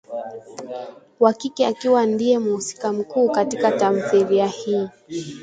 wa kike akiwa ndiye mhusika mkuu katika tamthilia hii